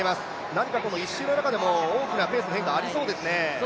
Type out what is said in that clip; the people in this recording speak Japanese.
何か１周の中でも大きなペースの変化ありそうですね。